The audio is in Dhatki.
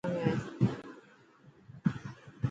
اوڪسفرڊ يونيورسٽي امريڪا ۾ هي.